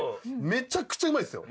めちゃくちゃうまいっすよ。